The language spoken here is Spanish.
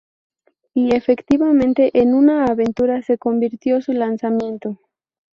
Y, efectivamente, en una aventura se convirtió su lanzamiento.